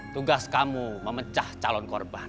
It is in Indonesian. tugas kamu memecah calon korban